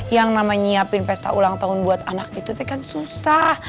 yang nama nyiapin pesta ulang tahun buat anak itu teh kan susah